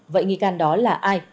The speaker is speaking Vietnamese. vậy nghi can đó là ai